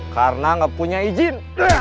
karena gak punya izin